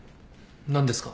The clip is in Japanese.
何ですか？